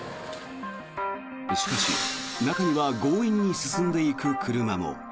しかし、中には強引に進んでいく車も。